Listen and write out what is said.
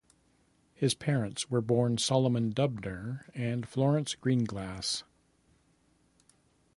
His parents were born Solomon Dubner and Florence Greenglass.